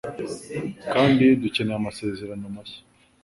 kandi dukeneye amasezerano mashya